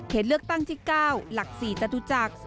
เลือกตั้งที่๙หลัก๔จตุจักร